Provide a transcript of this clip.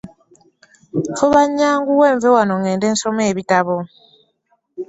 Nfuba nyanguwe nve wano ngende nsome ebitabo .